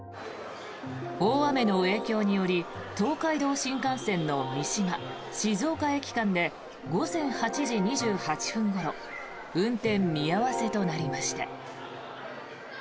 大雨の影響により東海道新幹線の三島静岡駅間で午前８時２８分ごろ運転見合わせとなりました。